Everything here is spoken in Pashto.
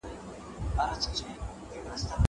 زه له سهاره کتابتون ته راځم!!